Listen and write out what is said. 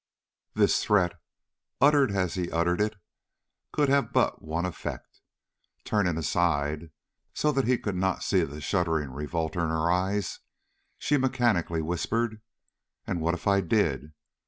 This threat, uttered as he uttered it, could have but one effect. Turning aside, so that he should not see the shuddering revolt in her eyes, she mechanically whispered: "And what if I did?